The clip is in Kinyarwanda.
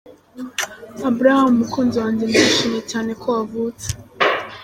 Abraham mukunzi wanjye ndishimye cyane ko wavutse.